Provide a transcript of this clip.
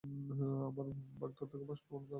আমার বাগদত্তকেও বাষ্প বানাতে হবে।